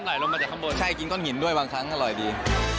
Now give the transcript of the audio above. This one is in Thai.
กินน้ำตกกินอะไรอย่างนี้